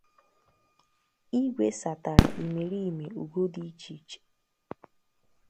Igwe satara imerime ugo dị iche iche.